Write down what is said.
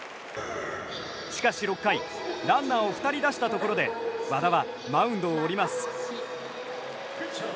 しかし６回ランナーを２人出したところで和田はマウンドを降ります。